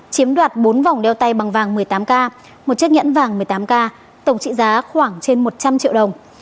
chiếm đoạt bốn vòng đeo tay bằng vàng một mươi tám k một chiếc nhẫn vàng một mươi tám k tổng trị giá khoảng trên một trăm linh triệu đồng